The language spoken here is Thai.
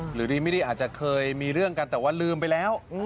หรือดีไม่ได้อาจจะเคยมีเรื่องกันแต่ว่าลืมไปแล้ว